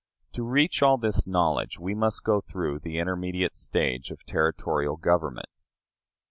To reach all this knowledge, we must go through the intermediate stage of territorial government.